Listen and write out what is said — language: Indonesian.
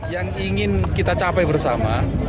yang ingin kita capai bersama